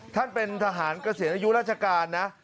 ท่านเป็นทหารเกษียณอายุราชการนะ